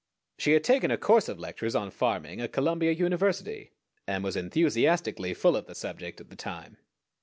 She had taken a course of lectures on farming at Columbia University, and was enthusiastically full of the subject at the time.